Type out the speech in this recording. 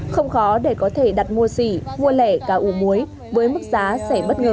không khó để có thể đặt mua xỉ mua lẻ gà uống muối với mức giá rẻ bất ngờ